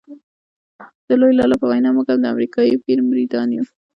د لوی لالا په وینا موږ هم د امریکایي پیر مریدان یو.